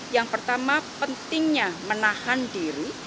yang pertama pentingnya menahan diri